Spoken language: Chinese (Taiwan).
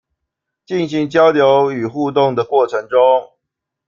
進行交流與互動的過程中